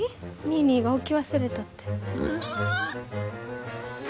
ニーニーが置き忘れたって。